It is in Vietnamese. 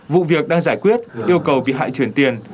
vụ việc đang giải quyết yêu cầu bị hại chuyển tiền